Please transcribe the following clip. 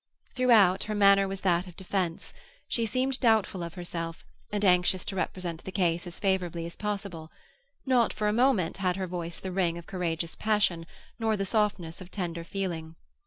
Throughout, her manner was that of defence; she seemed doubtful of herself, and anxious to represent the case as favourably as possible; not for a moment had her voice the ring of courageous passion, nor the softness of tender feeling.